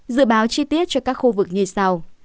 dự báo chi tiết cho các khu vực như sau